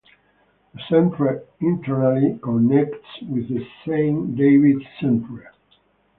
The centre internally connects with the Saint David's Centre.